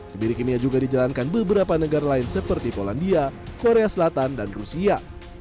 kebiri kimia juga dijalankan beberapa negara lain seperti polandia korea selatan dan rusia